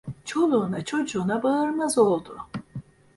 Çoluğuna çocuğuna bağırmaz oldu.